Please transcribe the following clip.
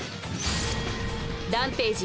ＲＡＭＰＡＧＥ